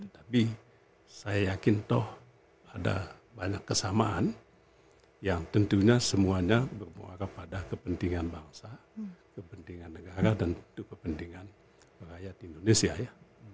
tapi saya yakin toh ada banyak kesamaan yang tentunya semuanya bermuara pada kepentingan bangsa kepentingan negara dan untuk kepentingan rakyat indonesia ya